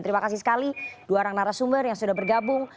terima kasih sekali dua orang narasumber yang sudah bergabung